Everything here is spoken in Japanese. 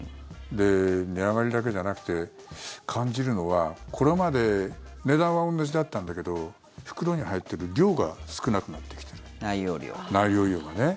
値上がりだけじゃなくて感じるのはこれまで値段は同じだったんだけど袋に入ってる量が少なくなってきてる、内容量が。